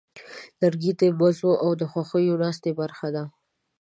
لرګی د مزو او خوښیو ناستې برخه ده.